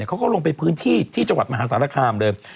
เขาก็ลงไปพื้นที่ที่จังหวัดมหาสารคามเลย